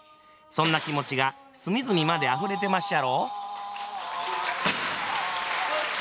そんな気持ちが隅々まであふれてまっしゃろ？